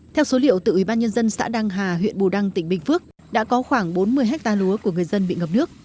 theo số liệu từ ủy ban nhân dân xã đăng hà huyện bù đăng tỉnh bình phước đã có khoảng bốn mươi hectare lúa của người dân bị ngập nước